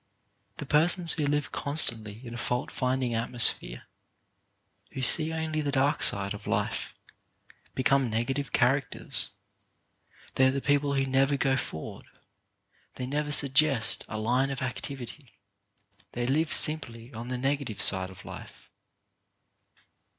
The persons who live constantly in a fault finding atmosphere, who see only the dark side of life, become negative characters. They are the people who never go forward. They never suggest a line of activity. They live simply on the negative side of life.